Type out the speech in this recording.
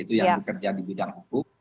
itu yang bekerja di bidang hukum